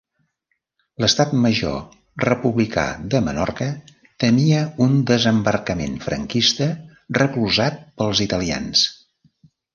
L'Estat Major Republicà de Menorca temia un desembarcament franquista recolzat pels italians.